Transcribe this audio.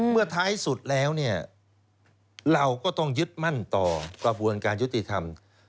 เมื่อท้ายสุดแล้วเนี่ยเราก็ต้องยึดมั่นต่อกระบวนการยุติธรรม